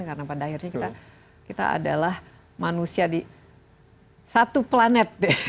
karena pada akhirnya kita adalah manusia di satu planet